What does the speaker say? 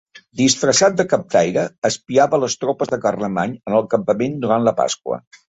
Disfressat de captaire, espiava les tropes de Carlemany en el campament durant la Pasqua.